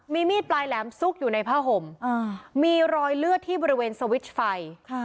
มีมีดปลายแหลมซุกอยู่ในผ้าห่มมีรอยเลือดที่บริเวณสวิตช์ไฟ